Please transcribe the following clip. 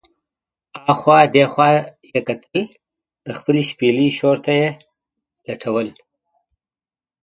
اخوا دې خوا یې کتل، د خپلې شپېلۍ شور ته یې لټوله.